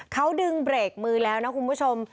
เขาดึงเบรกมือแล้วนะคุณผู้ชม